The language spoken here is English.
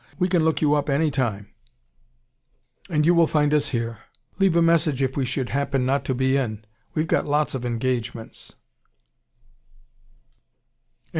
We can look you up any time and you will find us here. Leave a message if we should happen not to be in we've got lots of engagements " CHAPTER XVI.